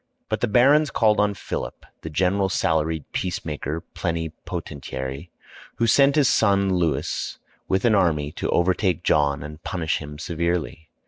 But the barons called on Philip, the general salaried Peacemaker Plenipotentiary, who sent his son Louis with an army to overtake John and punish him severely.